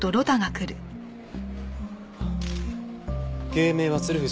芸名は鶴藤。